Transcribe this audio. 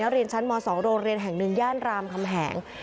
เรียนชั้นม๒โรงเรียนแห่งหนึ่งย่านรามคำแหง